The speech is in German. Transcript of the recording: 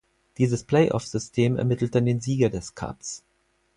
Dieses Playoff-System ermittelt dann den Sieger des Cups.